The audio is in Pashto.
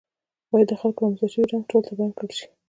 باید د خلکو رامنځته شوی رنځ ټولو ته بیان کړل شي.